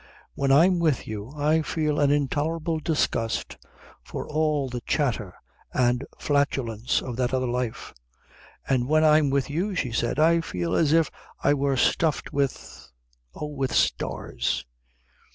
"When I'm with you I feel an intolerable disgust for all the chatter and flatulence of that other life." "And when I'm with you," she said, "I feel as if I were stuffed with oh, with stars."